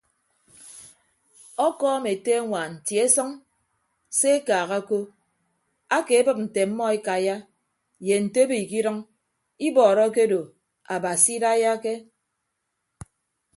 Ọkọọm ete añwaan tie sʌñ se ekaaha ko akeebịp nte ọmmọ ekaiya ye nte ebo ikidʌñ ibọọrọ akedo abasi idaiyake.